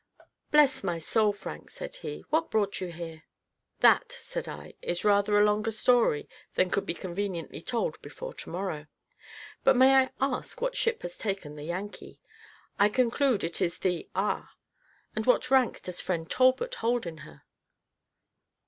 "Bless my soul, Frank," said he, "what brought you here?" "That," said I, "is rather a longer story than could be conveniently told before to morrow; but may I ask what ship has taken the Yankee? I conclude it is the R ; and what rank does friend Talbot hold in her?"